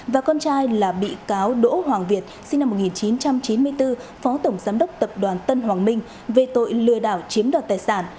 và con trai là bị cáo đỗ hoàng việt sinh năm một nghìn chín trăm chín mươi bốn phó tổng giám đốc tập đoàn tân hoàng minh về tội lừa đảo chiếm đoạt tài sản